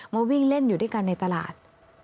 มาวิ่งเล่นอยู่ด้วยกันในตลาด